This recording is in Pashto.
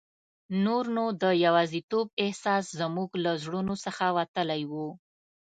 نور نو د یوازیتوب احساس زموږ له زړونو څخه وتلی وو.